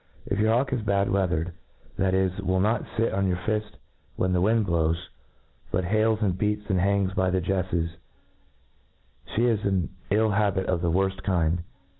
If your hawk is bad weathered, that is, .wiir not fit on your fift when the wind blows, but hales, and beats, and hangs by the jeflcs, flle has an ill habit of the word kind.